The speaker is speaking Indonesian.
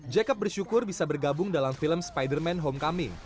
jacob bersyukur bisa bergabung dalam film spider man homecoming